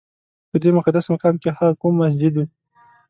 په دې مقدس مقام کې هغه کوم مسجد و؟